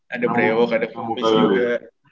ada brewok ada pimpis juga